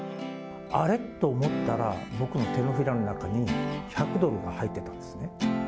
あれ？と思ったら、僕の手のひらの中に１００ドルが入ってたんですね。